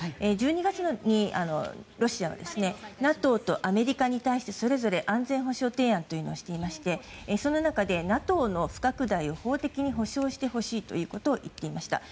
１２月にロシアはＮＡＴＯとアメリカに対してそれぞれ安全保障提案をしていましてその中でＮＡＴＯの不拡大を法的に保障してほしいと言っていました。